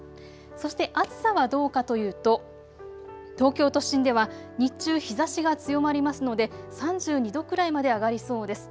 そして暑さはどうかというと東京都心では日中日ざしが強まりますので３２度くらいまで上がりそうです。